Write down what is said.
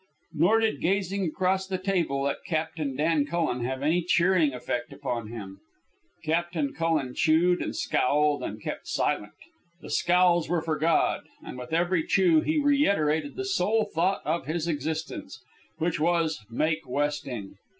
Nor did gazing across the table at Captain Dan Cullen have any cheering effect upon him. Captain Cullen chewed and scowled and kept silent. The scowls were for God, and with every chew he reiterated the sole thought of his existence, which was make westing.